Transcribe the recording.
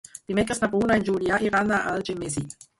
Dimecres na Bruna i en Julià iran a Algemesí.